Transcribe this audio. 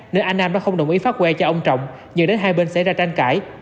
nên anh nam đã không đồng ý phát quẹ cho ông trọng nhờ đến hai bên xảy ra tranh cãi